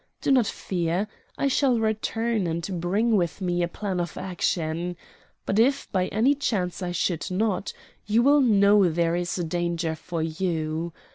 Do not fear. I shall return and bring with me a plan of action. But if by any chance I should not, you will know there is danger for you.